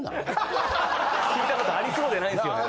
聞いたことありそうでないんですよね。